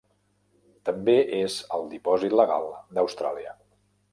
També és el dipòsit legal d'Austràlia.